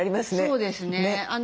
そうですね。